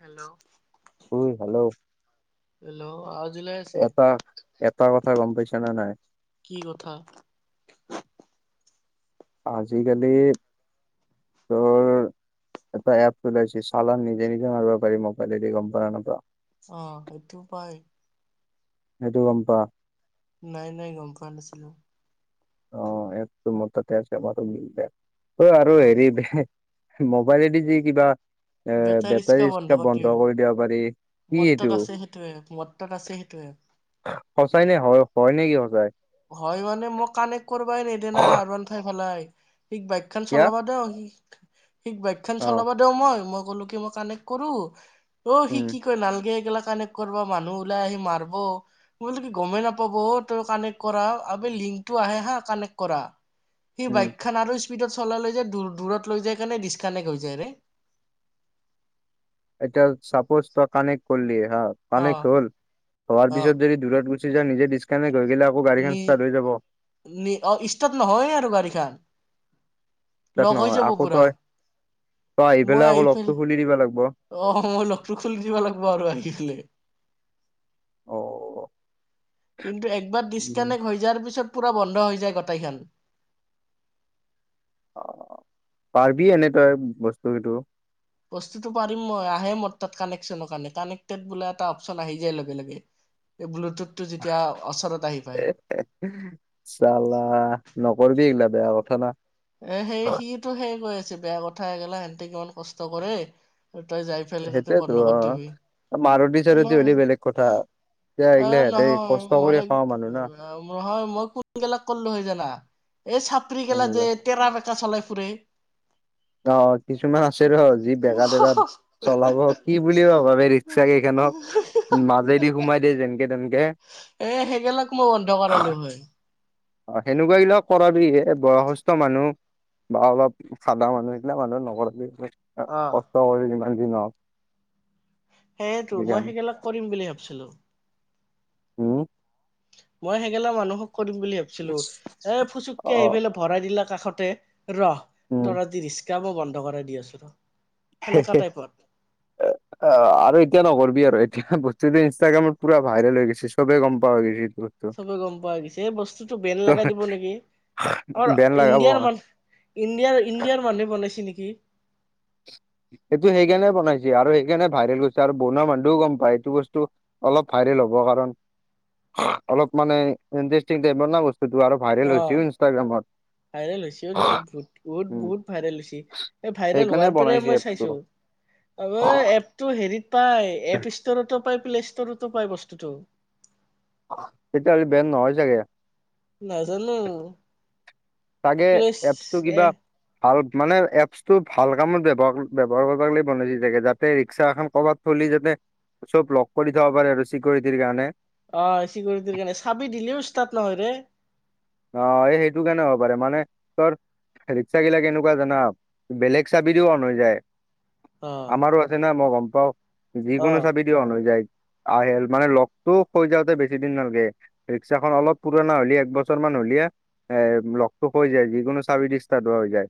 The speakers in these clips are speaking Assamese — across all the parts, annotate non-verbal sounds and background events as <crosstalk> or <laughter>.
হেল্ল' ঐ হেল্ল' হেল্ল' আৱাজ ওলাই আছে এটা এটা কথা গম পাইছ নে নাই। কি কথা। <inaudible> আজিকালি, তোৰ এটা এপ ওলাইছে চালান নিজে নিজে মাৰ বেপাৰি মোবাইল এ কম্পানত। অ সেইটো উপায়। সটো গম পা। নাই নাই গম পোৱা নাছিলো। অ' এপ তো মোৰ ততে আছে আমাৰো মিল অ আৰু হেৰি। মোৱাইলেদি যি কিবা এ বেটাৰ ৰিক্সা বেটাৰীটা বন্ধ দিবি কৰি দিব পাৰি। কি মোৰ এইটো তাত আছে সেইটো এপ, মোৰ তাত আছে সেইটো এপ। সঁচাই নে হয় হয় নে কি সঁচাই। কানেক কৰবাই নিদিয়া না আৰু নঠাই ভালাই স বাইক খান কিয়া চলাবা দ সি। বাইকখন অ চলাব দেও মই মই ক'লো কি মই কানেক্ট কৰো। অ সি উম কি কয় নালগে এইগিলা কানেক্ট কৰিব মানুহ ওলাই আহি মাৰব মো কি গমেই নাপাব কানেক। কানেক্ট কৰা আবে লিংটো আহে না কানেক্ট কৰা, উম স্পীডত চলালে যে দূৰত লৈ যায় কাৰণে ডিচকানেক্ট হৈ যায় ৰে। এতিয়া চাপোজ তই কানেক্ট কৰিলি হা অ কানেক্ট হ'ল, হোৱাৰ অ পিছত যদি দ গ। দিচ কানেক্ট। ষ্টাত নহয় আৰু গাড়ী খান। ইচতাৰত নহয়, আকৌ পুৰা তই তই আহি পেলাই আকৌ লগ তো খুলি দিব লাগিব। অহ, মই লগটো খুলি দিব লাগিব আৰু আহি পিনে।। অঁ। কিন্তু একবাৰ ডিচকানেক্ট হৈ যোৱাৰ পিছত, পুৰা বন্ধ হৈ যায় গটাইখন। অ' পাৰিবি এনে তই বস্তু কিইটো। বস্তুতটো পাৰিম মই, আহে মোৰ তাত কানেকচনৰ কাৰণে কানেক্টেড বোলে এটা অপচন আহি যায় লগে লগে। এই বল্লোতোত। চালা নকৰিবি এইগিলা। বেয়া কথা না। এ সেই সিটো সেই কৈ আছে বেয়া কথা গেলা সিহতে কিমান কষ্ট কৰে। তই যাই পেলাই তাতে সেইটয়েতো অ, বন্ধকত দিবি মাৰুতি চাৰতি হ'লে বেলেগ কথা। এতিয়া এ এইগিলা সিহঁতে নহয় কষ্ট কৰি মই খাৱা মানুহ না নহয় মই কোনবিলাক কলো হয় জানা। এই চাপৰি গেলা যে তেটৰা বেকা চলাই ফুৰে। অ' কিছুমান আছে ৰ যি বেগাত। চলাব কি বুলি ভাবা ৰিক্সা কেইখনক মাজেদি সোমাই দিয়ে যেনকে তেনকে। এ, সেইবিলাক মই বন্ধ কৰালো হয়। অ' সেনেকুৱা বিলাক কৰাে বয়সস্থ মানুহ। বা অলপ চাদা মানুহ সেই বিলাক মানুহ নৰ। অ কষ্ট কৰে যিমান যি নহওঁক। সেইয়েতো মই সেইবিলাক কৰিম বুলি ভাবিছিলো। উম। মই সেইগেলা মানুহক কৰিম বুলি ভাবিছিলো, এ অ ফুচুককে আহি পেলাই ভৰাই দিলাক। কাষতে, ৰহ উম তৰাজি ৰিক্কাা মই বন্ধ কৰাই দি আছো ৰ। সেনেকা টাইপত আৰু এতিয়া নকৰিবি আৰু। বত্তটো ইনষ্টাগ্ৰামৰ পুৰা ভাইৰেল হৈ গৈছে সবে গম পোৱা হৈ গৈছিল। চবে গম পোৱা গৈছে, এই বস্তুতটো বেন ত লগাই দিব নেকি। অ' বেন লগাব ইণ্ডিয়াৰ মানু ইণ্ডিয়াৰ ইণ্ডিয়াৰ মানুহে বনাইছে নেকি। <unintelligible> সটো সেইকাৰণে বনাইছে আৰু সেইকাৰণে ভাইৰেল গৈছে আৰু বনোৱা মানুহটোও গম পায়, এইটো বস্তু অলপ ভাইৰেল। অলপ মানে ইণ্টাৰেষ্টিং টাইপৰ নহ বস্তু। ত আৰু ভাইৰেল অ হৈচে ইনষ্টাগ্ৰামত। ভাইৰেল হৈছে বহুত বহুত উম বহুত ভাইৰেল হৈছে এই ভাইৰেল। সেইকাৰণে হোৱাৰ দৰে বনাইছে মই এপছটো চাইছোঁ, এপছ টো হেৰিট পায় এপছ ষ্টৰটো পাই। প্লে ষ্টৰতো পায় বস্তুটো তেতিয়া হি বেন নহয় চাগে নাজানো চাগে প্লেচ এপছটো এ কিবা ভাল মানে এপছ টো ভাল কামত ব্যৱহাৰ কৰাক লাগি বনাচে চাগে যাতে ৰিক্সা এখন কৰবাত থ যাতে চব লগ কৰি থব পাৰে আৰু চিকৰিটিৰ কাৰণে অ চিকিউৰিটিৰ কাৰণে চাবি দিলেও ষ্টাৰ্ট নহয় ৰে অ এই সেইটো কাৰণে হ'ব পাৰে মানে তোৰ ৰিক্সা গিলাক এনেকুৱা জানা বেলেগ চাবি দিও অন হৈ যায় অ আমাৰো আছে না মই গম পাও অ যিকোনো চাবি দি অন হৈ যায় আহিল মানে লগতটো হৈ যাওঁতে বেছি দিন নালাগে ৰিক্সাখন অলপ পুৰণা হলি একবছৰ এক বছৰ মান হলিয়ে এ লগ খহি যায় যিকোনো চাবি ষ্টাৰ্ট হোৱা হৈ যায়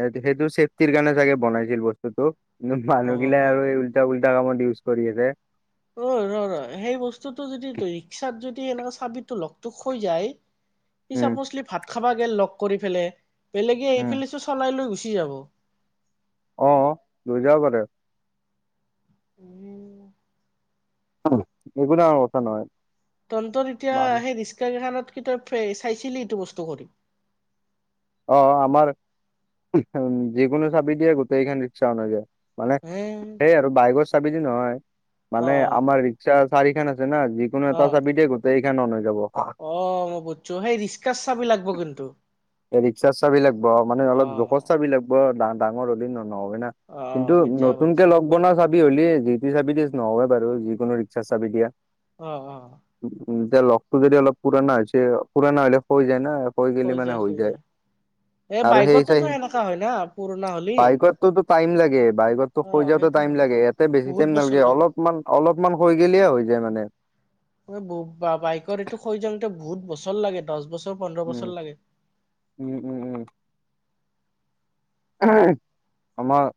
এ সেইটো চেফটিৰ কাৰণে চাগে বনাইছিল বস্তুটো কিন্তু মানুহ হ'ব গিলাই আৰু পাৰে এই উল্টা উল্টা কামত ইউজ কৰি আছে অ ৰ ৰ সেই বস্তুটো যদি ৰিক্সাত যদি এনেৱা চাবিটো লগটো হৈ যায় সি উম চাপোলি ভাত খাবা গে লগ কৰি পেলে বেলেগে এইফালি চো চলাই লৈ গুচি যাব অ লৈ যাব পাৰে উম <unintelligible> একো ডাঙৰ কথা নহয় তন্তত এতিয়া মানুহ সেই ৰিক্সা কেইখনত কি তই চাইছিলি এইটো বস্তু কৰি অ আমাৰ উ যিকোনো চাবি দিয়ে গোটেইখন ৰিক্সা অনা যায় মানে হে সেই আৰু বাইকৰ চাবি দি নহয় অ মানে আমাৰ ৰিক্সা চাৰিখন না যিকোনো অ এটা চাবি দিয়ে গোটেইখন অন হৈ যাব অ মই বুজিছো সেই ৰিক্সাৰ চাবি লাগিব কিন্তু ৰিক্সা চাবি লাগিব মানে অ অলপ জোখৰ চাবি লাগিব ডাঙৰ হ'লে ন নহ বই না অ কিন্তু এতিয়া নতুনকে বুজছো লগ বনোৱা চাবি হলিয়ে যি টি চাবি দি নহয় বাৰু যিকোনো ৰিক্সা চাবি দিয়া অহ অহ এতিয়া লগটো যদি অলপ পুৰণা হৈছে পুৰণা হলে হৈ যায় না হৈ গিলে মানে হৈ যায় এই আৰু সেই চাই বাইকতোতো সেনেকা হয় না পুৰণা হলি বাইকৰতটো টাইম লাগে বাইকৰটো অ হৈ যাওঁতে সেইটো টাইম হয় লাগে লাগে ইয়াতে বেছি বহুত টাইম বছৰ নালাগে লাগে অলপমান অলপমান হৈ গেলিয়ে হৈ যায় মানে বাইকৰ এইটো খহি যাওঁতে বহুত বছৰ লাগে দহ বছৰ পোন্ধৰ উম বছৰ লাগে উম উম উম আমাৰ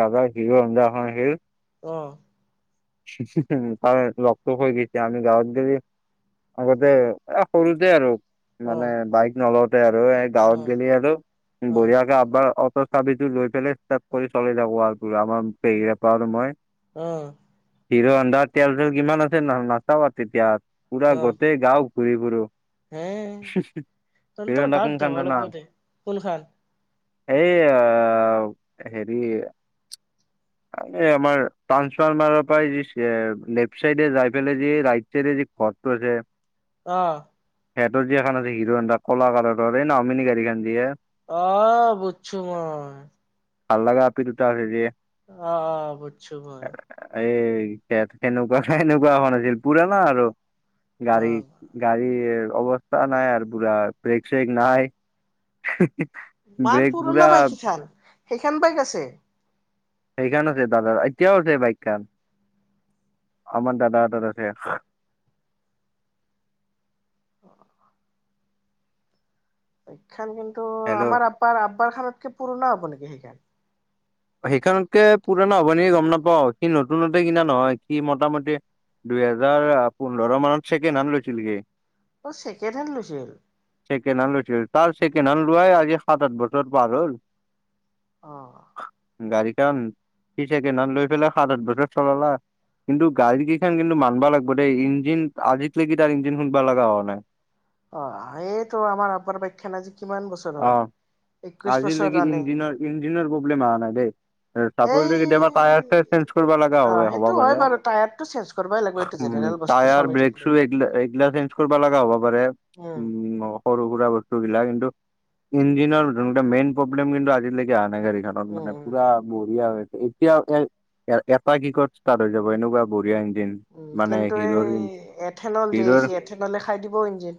দাদা হিৰ হন্দা এখন আছিল অ' তাৰ লগটো খুলি গৈছে আমি গাঁৱত গলে আগতে এ সৰুতে আৰু মানে অ বাইক নলওতে আৰু এই গাঁৱত অ', গলে আৰু অ', বঢ়িয়াকে আপবাৰ চাবিটো লৈ পেলাই ষ্ট'থ কৰি চলি যাকো আৰু আমাৰ পেহীয়েকৰ আৰু মই উম হিৰো হন্ধাৰ তেল চল কিমান আছে নাচাবা তেতিয়া পুৰা অ', গোটেই গাও ঘূৰি ফুুৰো হে তহতৰ হণ্ডা গাঁত কোনখন যাব জানা লাগিব দে কোন খান এই হেৰি <unintelligible> এই আমাৰ তানঞ্চফাৰ্মাৰ <unintelligible> প লেফট চাইডে যাইফালে যি ৰাইট চাইডে যি ঘৰটো আছে <unintelligible> আহ সিহতৰ যি এখন আছে হিৰো হন্ধা কল কালৰ এই নঅমিন গাড়ীখন দিয়ে <unintelligible> আহ বুজছো মই ভাললগা আপি দুটা আছে যে অ বুছো মই। এই তেনেকুৱা খাই সেনেকুৱা হোৱা নাছিল পুৰনা আৰু। গাড়ী অ', গাড়ী। অৱস্থা নাই আৰু পুৰা ব্ৰেক চেক নাই। ইমান ব্ৰেক পুৰণা পুৰা বাইক ইখান সেইখন বাইক আছে? সেইখন আছে দাদাৰ এতিয়াও আছে বাইকখন। আমাৰ দাদা দাদা <unintelligible> বাইকখন কিন্তু হেল্ল' আমাৰ আপ্পাৰ আব্বাৰ খানাতকে পুৰণা হ'ব নেকি সেইখন? সেইখনতকে পুৰণা হব নি গম নাপাও সি নতুনতে কিনা নহয় সি মোটামুটি দুইহেজাৰ পোন্ধৰৰ মানত চেকেণ্ডহেন লৈছিল গে। অ ছেকেণ্ড হেণ্ড লৈছিল? ছেকেণ্ড হেণ্ড লৈছিল তাৰ ছেকেণ্ড হেণ্ড লোৱাই আজি সাত আঠ বছৰ পাৰ হ'ল। অ। গাড়ীখন সি ছেকেণ্ডহেন লৈ পেলাই সাত আঠ বছৰ চলালা। কিন্তু গাড়ী কেইখন কিন্তু মানব লাগিব দেই ইঞ্জিন আজিক লৈকি তাৰ ইঞ্জিন খুলবা লগা হোৱা নাই। অ এইটো আমাৰ আপাৰ বাইকখন আজি কিমান বছৰ হ'ল। একৈশ বছৰ আজিলিকে ৰানিং ইঞ্জিনৰ ইঞ্জিনৰ প্ৰবলেম অহা নাই দেই। <unintelligible> কেতিয়াবা টায়াৰ চায়াৰ এই চেঞ্জ কৰিব লগা অ হ হ'ব সেইটো হয় পাৰে। বাৰু টায়াৰটো চেঞ্জ কৰিবই লাগিব এইটো জেনেৰেল বস্তু টায়াৰ চলি ব্ৰেক থাকিলে চু এই এইগিলা চেঞ্জ কৰিব লগা হ'ব পাৰে। উম সৰু সুৰা বস্ত। <unintelligible> ইঞ্জিনৰ মেইন প্ৰব্লেম কিন্তু আজিলৈকে আহা নাই গা়ড়ীত। উম মানে উম পুৰা বঢ়িয়া হয়। এতিয়া এ এ এটা কিকত ষ্টাৰ্ট হৈ যাব এনেকুৱা বঢ়িয়া ইঞ্জিন। উ মানে কিন্তু হিৰ'ৰ এই এথেনল জে চি এথেনলে খাই দিব ইঞ্জিন।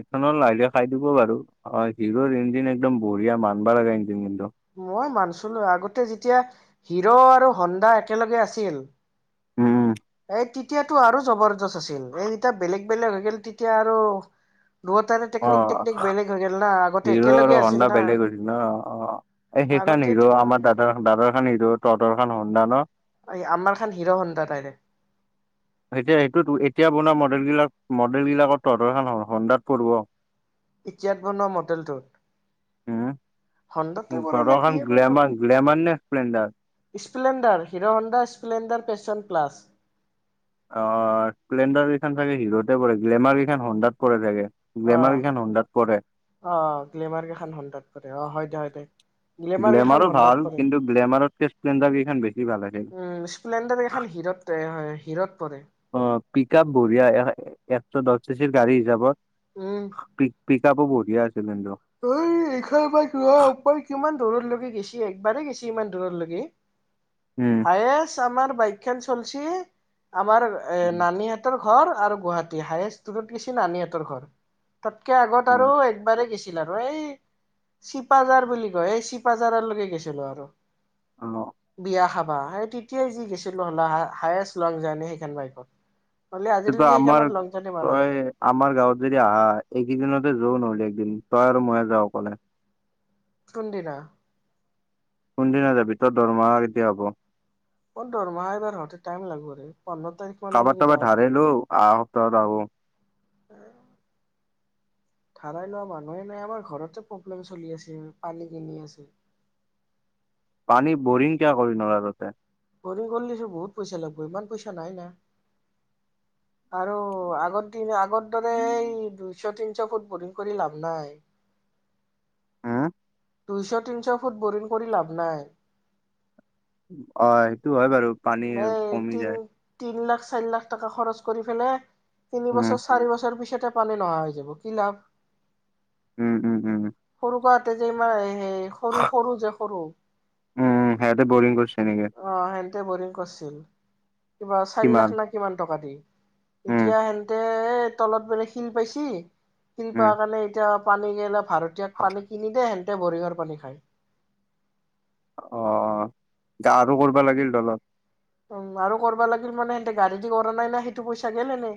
এখনত লাহ লে খাই দিব বাৰু অ হিৰৰ ইঞ্জিন একদম বঢ়িয়া মানব লগা ইঞ্জিন কিন্তু। মই মানছিলো আগতে যেতিয়া হিৰ' আৰু হন্দা একেলগে আছিল উম‌। এ তেতিয়াতো আৰু জবৰদস্ত আছিল। এই যেতিয়া বেলেগ বেলেগ হৈ গল তেতিয়া আৰু দুয়োটাৰে অ টেকনিক টেকনিক বেলেগ হৈ গ'ল না আগতে হিৰ' একেলগে আৰু আছিল হন্দা না বেলেগ হলি ন অই <unintelligible> তাৰ আগতেতো হিৰো আমাৰ দাদাৰ দাদাৰ খান হিৰো তহতৰ খ হন্দা ন? আমাৰ খান হিৰো হণ্ডা দাইৰেক। এতিয়া সেইটো এতিয়া বনোৱা মডেল বিলাক মডেল বিলাকত তহঁতৰখন হন্দাত পৰিব। এতিয়াত বনোৱা মডেলটো। হো তহতৰখন গ্লেমাৰ গ্লেমাৰ নে? Splendor Splendor Hero Honda Splendor Passion plus. অ স্পেলণ্ডাৰ কেইখন চাগে হিৰোতে পৰে, গ্লেমাৰ কেইখন হন্দাত পৰে চাগে। অ গ্লেমাৰ কেইখন হন্দাত পৰে অ গ্লেমাৰ কেইখন হন্দাত পৰে, অহ হয় দে হয় দে। গ্লেমাৰকেখন গ্লেমাৰো ভাল হন্দাত পৰে। কিন্তু গ্লেমাৰতকে স্প্লেণ্ডাৰ কেইখন বেছি ভাল আছিল উম স্প্লেণ্ডাৰ কেইখন খন হিৰত হয় হিৰত পৰে। অ পিকাপ বঢ়িয়া <unintelligible> গাড়ী হিচাপত উম পি পিক আপো বঢ়িয়া আছে। এই এইশাৰ পৰা ৰ ওপ কিমান দূৰৰ লৈকে গেছি একবাৰেই গেছি ইমান দূৰৰ লৈগ। উম হায়েষ্ট আমাৰ বাইক খেন চলছে আমাৰ এ নানী হাটৰ ঘৰ আৰু গুৱাহাতী হায়েষ্ট দূৰত গৈছো নানী হতৰ ঘৰ, তাতকে অ আগত আৰু একেবাৰেই গেছো আৰু এই চিপাজাৰ বুলি কয়। এই চিপাজাৰলৈকে গেছিলো আৰু। বিয়া খাবা আৰু তেতিয়াই যি গৈছিলো হ'ল হ হায়েষ্ট লং যাৰ্নী সেইখন বাইকত। হ'লে সেইটো আজিলৈকে আমাৰ সেইখনত লং জাৰ্ণি মাৰা নাই। তই আমাৰ গাঁৱত যদি আহা এইকেইদিনতে যোন হলে দিম তই আৰু ময়ে যাও অকলে। কোন দিনা কোন দিনা যাবি তৰ দৰমহা কেতিয়া হব? অ দৰমাহা এবাৰ হহতে টাইম লাগব ৰে। পোন্ধৰ তাৰিখ কাৰোবাৰ মানলৈকে তাবাৰ যাব ধাৰে পাৰে। লো আহা সপ্তাহত যাবো। ধাৰাই লোৱা মানুহে নাই, আমাৰ ঘৰতে প্ৰব্লেম চলি আছে, পানী কিনি আছে। পানী বৰিং কিয় কৰি নল তাতে? বৰিং কৰলিছো বহুত পইচা লাগিব, ইমান পইচা নাই না। আৰু আগৰ দিন আগৰ দৰে এই দুশ- দুশ তিনিশ ফুট বৰিং কৰি লাভ নাই। হম। দুইশ তিনিশ ফুট বৰিণ কৰি লাভ নাই। অ সেইটো হয় বাৰু। পানী এই কমি তিন যায় তিন লাখ চাৰি লাখ টকা খৰচ কৰি কিনে তিনি উম, বছৰ চাৰি বছৰ পিছত তে পানী নহা হৈ যাব কি লাভ। উম উম উম। তা যে ইয়াৰ সৰু সৰু যে সৰু, উম সে তে বৰিং কছ- অ সিহতে বৰিং কৰিছিল কিবা চাৰি লাখ না কিমান টকা দি? উম, এতিয়া সেহতে এ তলত বেলে শিল পাইছি শিল উম। পোৱা কাৰণে এতিয়া, পানী কেলে ভাৰতীয়াক পানী কিনি দে সেহতে বৰিহৰ পানী খায়। অ গা আৰু কৰিবা লাগিল তলত উম আৰু কৰিবা লাগিল মানে সিহতে গাড়ীদি কৰা নাই না সেইটো পইচা গেল এনেই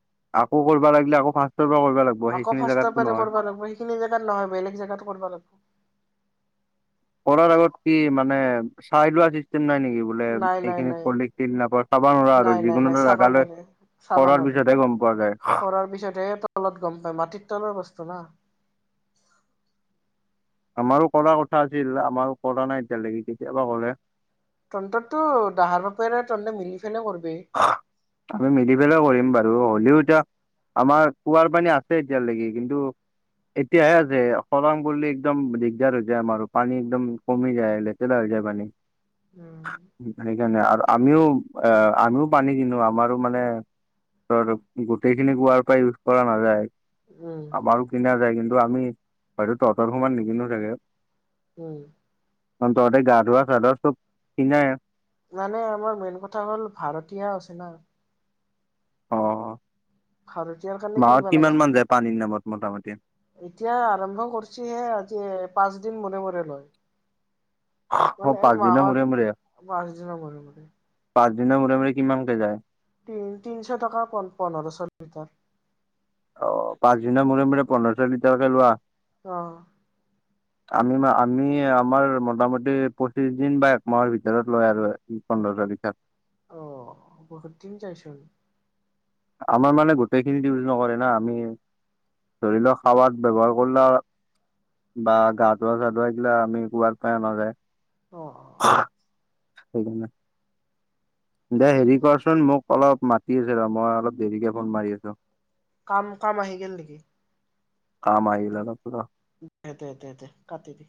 <inaudible> আকৌ কৰিব লাগিলে আকৌ ফাৰ্ষ্টৰ পৰা কৰিব লাগিব আকৌ সেইখিনি ফাৰ্ষ্টৰ জাগাতটো পৰা নহয়। কৰবা লাগব সেইখিনি জেগাত নহয় বেলেগ <unintelligible> কৰা আগত কি মানে চাই লোৱা চিষ্টেম নাই নেকি? বোলে নাই নাই এইখিনি নাই পলি তিল নাপ চাব নোৱাৰা আৰু নাই নাই যিকোনো নাই এটা চাবা জাগালৈ নোৱাৰে চাবা পাৰ নোৱাৰে পিছতহে গম প কৰাৰ পিছতহে তলত গম পায় মাটিৰ তলৰ বস্তু না আমাৰো কৰাৰ কথা আছিল আমাৰো কৰা নাই এতিয়ালৈকে কেতিয়াবা কৰে। তন্তটো দাহাৰ বাপেৰে তন্তে মিলি ফেলে কৰবি আমি মিলি পেলাইও কৰিম বা হ'লেও এতিয়া আমাৰ কুঁৱাৰ পানী আছে এতিয়ালৈকে কিন্তু এতিয়াহে আছে খৰাং পৰলি একদম দিগদাৰ হৈ যায় আমাৰ পানী একদম কমি যায় লেতেৰা হৈ পানি উম সেইকাৰণে আৰু আমিও আ আমিও পানী কিনো আমাৰো মানে গোটেইখিনি কোৱাৰ পৰা ইউজ কৰা নাযায়। উম আমাৰো কিনা যায় কিন্তু আমি হয়তো তহঁতৰ সমান নিকিনো চাগে। উম অ তহঁতে গা ধুৱা চা ধোৱা চব কিনাই মানে আমাৰ মেইন কথা হ'ল ভাৰতীয়া আচনা অ ভাৰতীয়ৰ কাৰণে মাহত কিনিব কিমান লগা মান হয় যায় পানীৰ নামত মুঠ এতিয়া আৰম্ভ কৰিছহে আজি পাঁচদিন মূৰে মূৰে লয় অ মানে এই পাঁচদিনৰ মূৰে মাহত মূৰে পাঁচদিনৰ মূৰে মূৰে পাঁচদিনৰ মূৰে মূৰে কিমানকে যায়। তিনিশ টকা পোন্ধৰশ লিটাৰ অ পাঁচদিনৰ মূৰে মূৰে পোন্ধৰশ লিটাৰকে লোৱা অ আমি আমি আমাৰ মোটামটি পঁচিশ দিন বা একমাহৰ ভিতৰত লয় আৰু পোন্ধৰ তাৰিখে অহ, বহুত দিন যাই চোন। আমাৰ মানে গোটেইখিনিত ইউজ নকৰে না আমি ধৰি ল'ক খাবাত ব্যৱহাৰ কৰলা বা গা ধুৱা, চা ধুৱা এইগিলা আমি কুৱাৰ পাই আনাজাই। অ অ <unintelligible> সেইকাৰণে দে হেৰি ঠিকে কৰচোন মোক অলপ মাতি আছে ৰ' মই অলপ দেৰিকে ফোন মাৰি আছো। কাম- কাম আহি গেল নেকি? কাম আহিল অলপ দে - দে - দে কাটি দি।